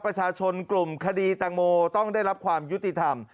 ประชาชนกลุ่มคดีแตงโมต้องได้รับความยุติธรรม